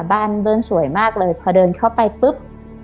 บ้านเบิ้ลสวยมากเลยพอเดินเข้าไปปุ๊บ